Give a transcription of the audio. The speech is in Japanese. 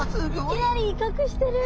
いきなり威嚇してる。